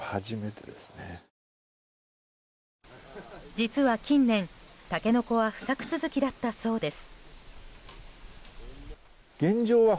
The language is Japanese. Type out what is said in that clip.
実は近年、タケノコは不作続きだったそうです。